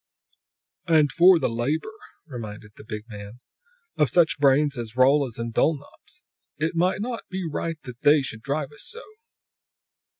"And for the labor," reminded the big man, "of such brains as Rolla's and Dulnop's. It be not right that They should drive us so!"